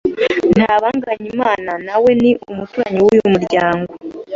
Ntabanganyimana nawe ni umuturanyi w’uyu muryango